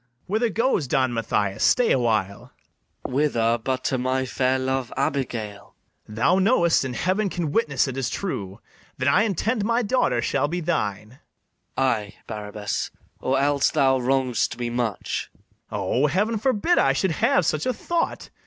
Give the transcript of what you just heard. Enter MATHIAS. Whither goes Don Mathias? stay a while. MATHIAS. Whither, but to my fair love Abigail? BARABAS. Thou know'st, and heaven can witness it is true, That I intend my daughter shall be thine. MATHIAS. Ay, Barabas, or else thou wrong'st me much. BARABAS. O, heaven forbid I should have such a thought!